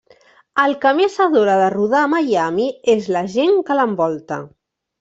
El que més adora de rodar a Miami és la gent que l'envolta.